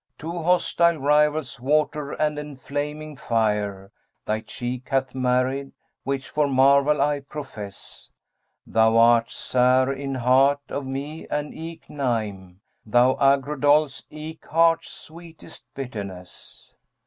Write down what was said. Two hostile rivals water and enflaming fire * Thy cheek hath married, which for marvel I profess: Thou art Sa'нr in heart of me and eke Na'нm;[FN#204] * Thou agro dolce, eke heart's sweetest bitterness.'